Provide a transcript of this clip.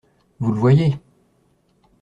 Vous le voyez!